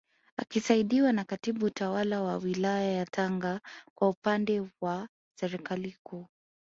Akisaidiwa na Katibu Tawala wa Wilaya ya Tanga kwa upande wa Serikali Kuu